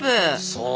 そう。